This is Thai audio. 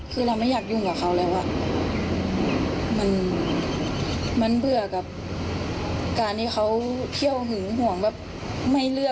ตัวนี้เขาไม่ได้คิดแบบนั้นเลย